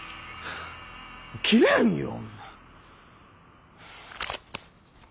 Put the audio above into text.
切れんよ。